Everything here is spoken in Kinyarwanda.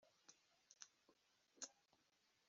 kugira ngo agire ibyo